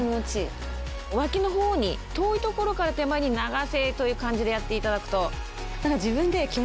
脇のほうに遠いところから手前に流せという感じでやっていただくと。